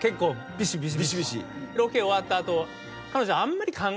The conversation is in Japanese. ロケ終わった後。